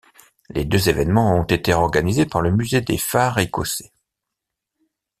Les deux événements ont été organisés par le Musée des phares écossais.